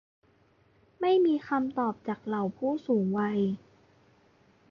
ไม่มีคำตอบจากเหล่าผู้สูงวัย